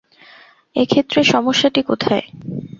এ ক্ষেত্রে সমস্যাটি কোথায়?